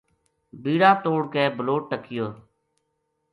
بیڑا توڑ کے بَلوٹ ٹَکیو